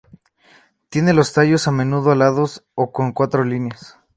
Tiene los tallos, a menudo, alados o con cuatro líneas.